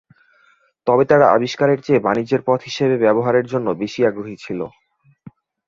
তবে তারা আবিষ্কারের চেয়ে বাণিজ্যের পথ হিসেবে ব্যবহারের জন্য বেশি আগ্রহী ছিল।